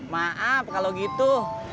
maaf kalau gitu